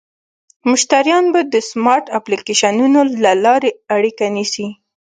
مشتریان به د سمارټ اپلیکیشنونو له لارې اړیکه نیسي.